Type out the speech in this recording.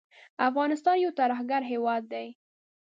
افغانستان یو ترهګر هیواد دی